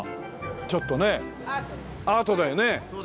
ちょっとねアートだよね。